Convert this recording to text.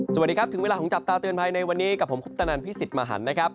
สวัสดีครับถึงเวลาของจับตาเตือนภัยในวันนี้กับผมคุปตนันพี่สิทธิ์มหันนะครับ